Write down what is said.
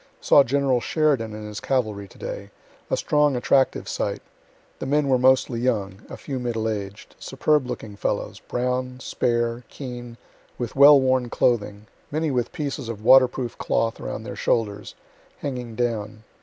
Saw General Sheridan and his cavalry to day; a strong, attractive sight; the men were mostly young, (a few middle aged,) superb looking fellows, brown, spare, keen, with well worn clothing, many with pieces of water proof cloth around their shoulders, hanging down.